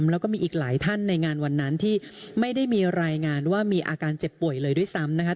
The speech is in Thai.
แล้วก็มีอีกหลายท่านในงานวันนั้นที่ไม่ได้มีรายงานว่ามีอาการเจ็บป่วยเลยด้วยซ้ำนะคะ